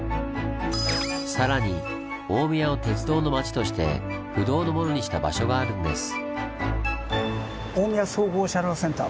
さらに大宮を鉄道の町として不動のものにした場所があるんです。